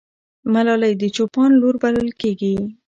ملالۍ د چوپان لور بلل کېږي.